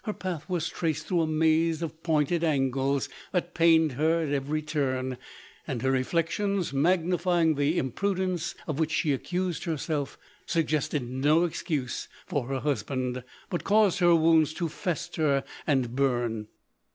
path was traced through a maze of pointed angles, that pained her at every turn, and her reflections magnifying the imprudence of which she accused herself, suggested no excuse for her husband, but caused her wounds to fester and burn.